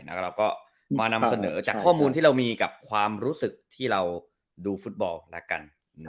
เราก็มานำเสนอจากข้อมูลที่เรามีกับความรู้สึกที่เราดูฟุตบอลแล้วกัน